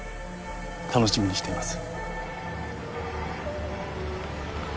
楽しみにしています。